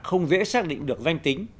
không dễ xác định được danh tính